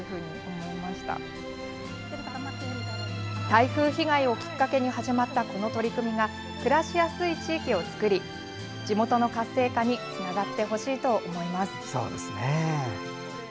台風被害をきっかけに始まったこの取り組みが暮らしやすい地域を作り地元の活性化につながってほしいと思います。